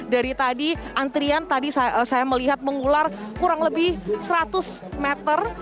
dari tadi antrian tadi saya melihat mengular kurang lebih seratus meter